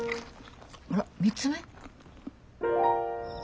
あら３つ目？